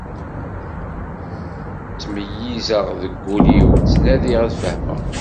Ttmeyyizeɣ deg wul-iw, ttnadiɣ ad fehmeɣ.